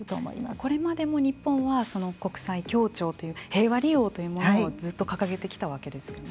これまでも日本は国際協調という平和利用というものをずっと掲げてきたわけですよね。